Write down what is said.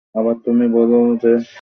আবার তুমি বলো যে তুমি পাগল নও।